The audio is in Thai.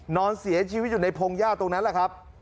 นอนเสียชีวิตอยู่ในพงหญ้าตรงนั้นแหละครับ